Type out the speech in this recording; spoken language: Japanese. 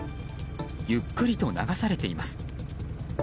ゆっくりと流されています。